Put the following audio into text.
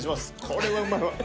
これはうまい。